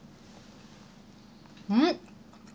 うん！